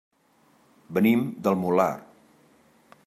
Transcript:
Venim del Molar.